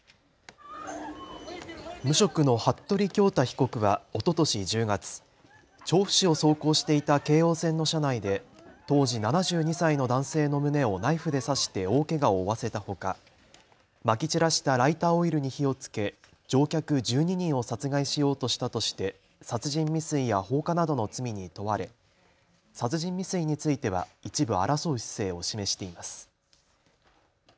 無職の服部恭太被告はおととし１０月、調布市を走行していた京王線の車内で当時７２歳の男性の胸をナイフで刺して大けがを負わせたほかまき散らしたライターオイルに火をつけ乗客１２人を殺害しようとしたとして殺人未遂や放火などの罪に問われ殺人未遂については一部争う姿勢を示しています。